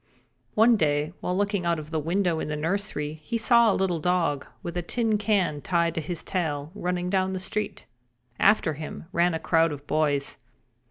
One day, while looking out of the window in the nursery he saw a little dog, with a tin can tied to his tail, running down the street. After him ran a crowd of boys.